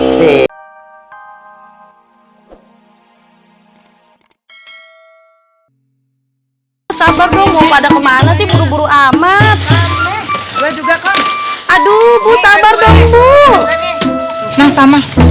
sabar dong mau pada kemana sih buru buru amat